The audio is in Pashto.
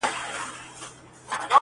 د هر مسجد و مخته پر سجده پروت وي